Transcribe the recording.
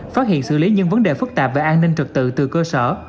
phát hiện xử lý những vấn đề phức tạp về an ninh trật tự từ cơ sở